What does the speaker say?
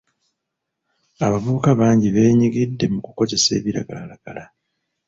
Abavubuka bangi beenyigidde mu kukozesa ebiragalalagala.